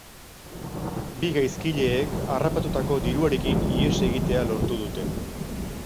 Bi gaizkileek harrapatutako diruarekin ihes egitea lortu dute.